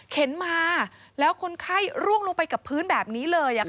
มาแล้วคนไข้ร่วงลงไปกับพื้นแบบนี้เลย